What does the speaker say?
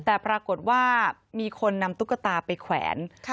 แต่ปรากฏว่ามีคนนำตุ๊กตาไปแขวน